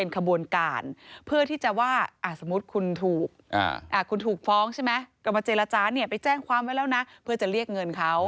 กรรมเจรจารย์ไปแจ้งความไว้แล้วนะเพื่อจะเรียกเงินเขา